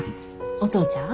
お父ちゃん。